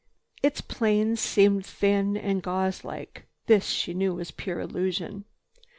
Its planes seemed thin and gauze like. This, she knew, was pure illusion.